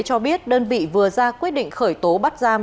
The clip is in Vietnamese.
cho biết đơn vị vừa ra quyết định khởi tố bắt giam